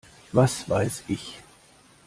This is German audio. Was weiß ich!